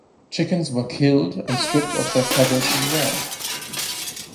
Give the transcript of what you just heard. Chickens were killed and stripped of their feathers as well.